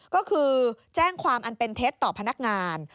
ก็คือแจ้งความอันเป็นเท็จต่อพนักงาน